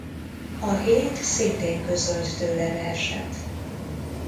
A Hét szintén közölt tőle verset.